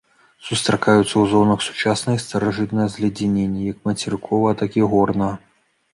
Сустракаюцца ў зонах сучаснага і старажытнага зледзянення, як мацерыковага, так і горнага.